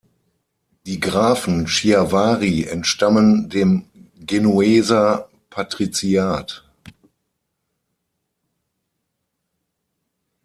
Die Grafen Chiavari entstammen dem Genueser Patriziat.